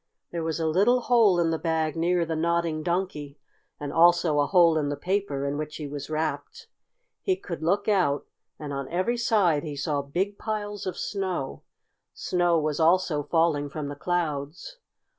There was a little hole in the bag near the Nodding Donkey, and also a hole in the paper in which he was wrapped. He could look out, and on every side he saw big piles of snow. Snow was also falling from the clouds.